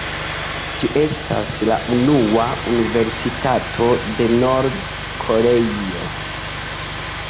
Ĝi estas la unua universitato de Nord-Koreio.